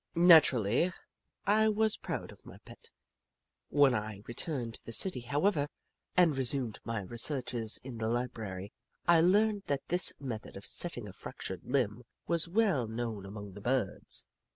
Naturally, I was proud of my pet. When I returned to the city, however, and resumed my researches in the library, I learned that this method of setting a fractured limb was well known among the Birds.